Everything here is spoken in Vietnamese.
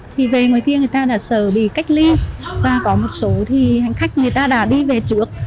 thì về ngoài kia người ta đã sợ bị cách ly và có một số hành khách đã đi về trước